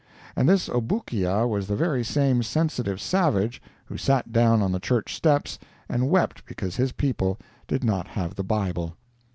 And this Obookia was the very same sensitive savage who sat down on the church steps and wept because his people did not have the Bible.